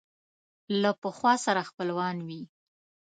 له پخوا سره خپلوان وي